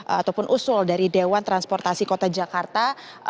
ataupun usul dari dewan transportasi kota jakarta